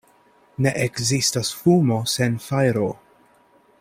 Ne ekzistas fumo sen fajro.